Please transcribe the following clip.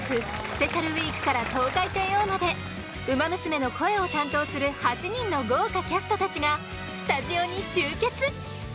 スペシャルウィークからトウカイテイオーまでウマ娘の声を担当する８人の豪華キャストたちがスタジオに集結！